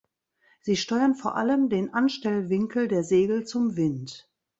Sie steuern vor allem den Anstellwinkel der Segel zum Wind.